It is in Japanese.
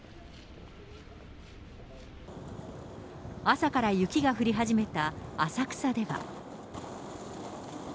朝から雪が降り始めた浅草では。